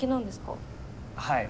はい。